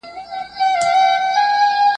ځینې ناروغان یوازې یو یا دوه نښې لري.